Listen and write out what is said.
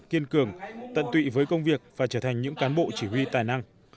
kiên cường tận tụy với công việc và trở thành những cán bộ chỉ huy tài năng